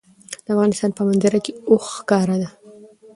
د افغانستان په منظره کې اوښ ښکاره ده.